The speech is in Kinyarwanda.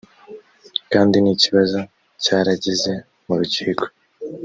kandi n ikibazo cyarageze mu rukiko